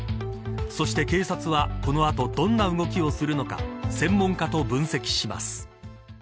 そして警察はこの後、どんな動きをするのか専門家と分析します。